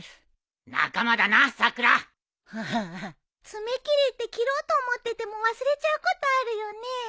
爪切りって切ろうと思ってても忘れちゃうことあるよね。